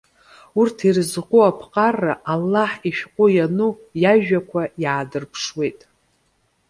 Урҭ ирызку аԥҟара, Аллаҳ ишәҟәы иану иажәақәа иаадырԥшуеит.